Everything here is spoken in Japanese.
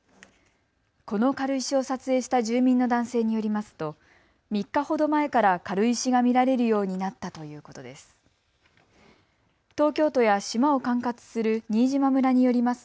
この軽石を撮影した住民の男性によりますと３日ほど前から軽石が見られるようになったということです。